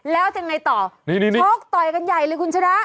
แล้วยังไงต่อชกต่อยกันใหญ่เลยคุณชนะ